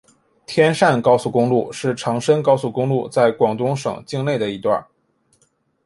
天汕高速公路是长深高速公路在广东省境内的一段。